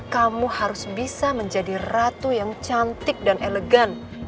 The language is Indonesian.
kamu harus bisa menjadi ratu yang cantik dan elegan